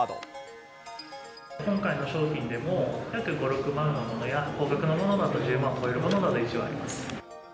今回の商品でも、約５、６万のものや、高額なものだと１０万超えるものがあります。